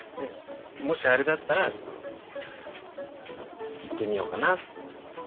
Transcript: もしあれだったらそのいってみようかなって。